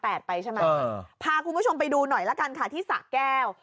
ใช่ไหมพาคุณผู้ชมไปดูหน่อยละกันค่ะที่สะแก้ว